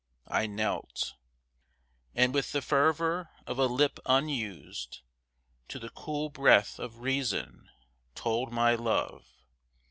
I knelt, And with the fervor of a lip unused To the cool breath of reason, told my love.